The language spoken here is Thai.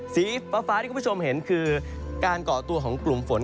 สีฟ้าที่คุณผู้ชมเห็นคือการก่อตัวของกลุ่มฝน